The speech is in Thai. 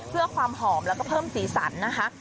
เพื่อความหอมแล้วก็เพิ่มสีสันนะคะ